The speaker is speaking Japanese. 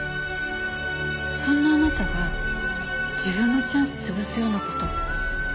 そんなあなたが自分のチャンス潰すような事